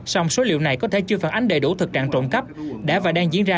song số liệu này có thể chưa phản ánh đầy đủ thực trạng trộm cắp đã và đang diễn ra